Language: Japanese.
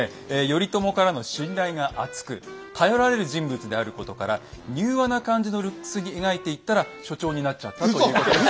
頼朝からの信頼が厚く頼られる人物であることから柔和な感じのルックスに描いていったら所長になっちゃったということで。